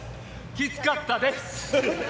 きつかったです。